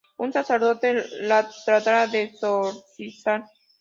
Un sacerdote la tratará de exorcizar.